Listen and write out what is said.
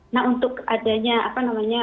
nah untuk adanya apa namanya